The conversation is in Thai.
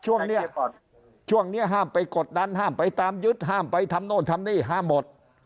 ช่วงนี้ช่วงนี้ห้ามไปกดดันห้ามไปตามยึดห้ามไปทำโน่นทำนี่ห้ามหมด